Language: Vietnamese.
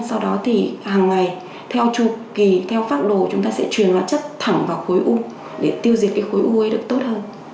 sau đó thì hàng ngày theo chu kỳ theo phác đồ chúng ta sẽ truyền hóa chất thẳng vào khối u để tiêu diệt cái khối u ấy được tốt hơn